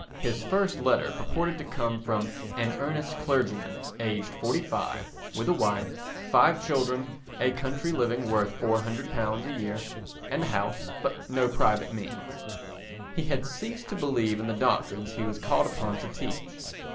His first letter purported to come from "An Earnest Clergyman" aged forty five, with a wife, five children, a country living worth £400 a year, and a house, but no private means. He had ceased to believe in the doctrines he was called upon to teach.